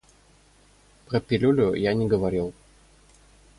Про пилюлю я не говорил.